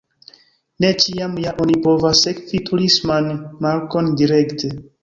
Ne ĉiam ja oni povas sekvi turisman markon direkte.